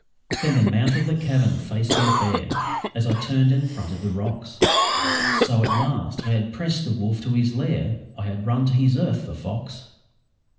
Then the mouth of the cavern faced me fair, As I turned and fronted the rocks; So, at last, I had pressed the wolf to his lair, I had run to his earth the fox.